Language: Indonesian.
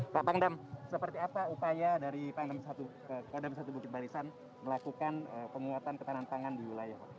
pak pangdam seperti apa upaya dari kodam satu bukit barisan melakukan penguatan ketahanan pangan di wilayah pak